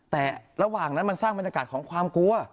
แต่ระหว่างนั้นมันสร้างบรรยากาศของความกลัว